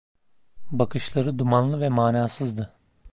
Bakışları dumanlı ve manasızdı.